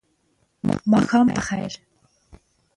ماښام په خیر !